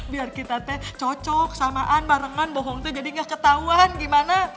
biar kita teh cocok samaan barengan bohong tuh jadi gak ketahuan gimana